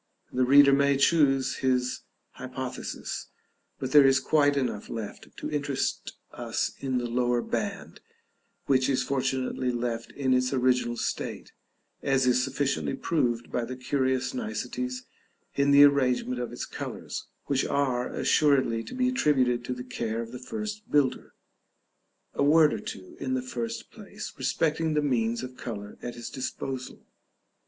The reader may choose his hypothesis; but there is quite enough left to interest us in the lower band, which is fortunately left in its original state, as is sufficiently proved by the curious niceties in the arrangement of its colors, which are assuredly to be attributed to the care of the first builder. A word or two, in the first place, respecting the means of color at his disposal.